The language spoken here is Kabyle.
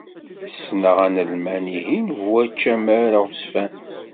Ssneɣ Analman-ihin bu ucamar aɣezzfan.